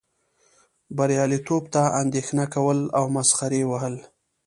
بریالیتوب ته اندیښنه کول او مسخرې وهل.